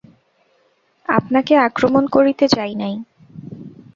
আপনাকে আক্রমণ করিতে যাই নাই।